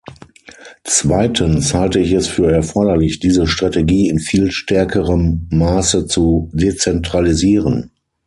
Zweitens halte ich es für erforderlich, diese Strategie in viel stärkerem Maße zu dezentralisieren.